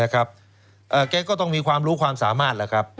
แกก็ต้องมีความรู้ความสามารถ